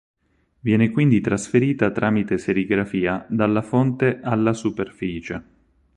Viene quindi trasferita tramite serigrafia dalla fonte alla superficie.